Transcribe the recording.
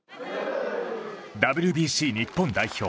ＷＢＣ日本代表